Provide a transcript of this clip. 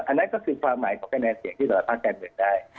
อันนั้นก็คือความหมายของคะแนนเสียงที่แต่ละภัทรกันเหมือนกันได้